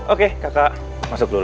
oke kakak masuk dulu